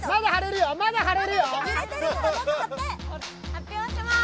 発表します！